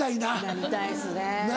なりたいですね。